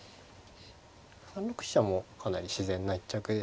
３六飛車もかなり自然な一着ですかね。